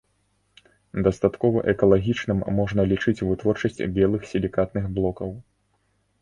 Дастаткова экалагічным можна лічыць вытворчасць белых сілікатных блокаў.